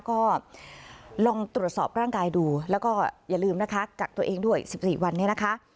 ก็ลองตรวจสอบร่างกายดูแล้วก็อย่าลืมนะคะกักตัวเองด้วย๑๔วันนี้นะคะ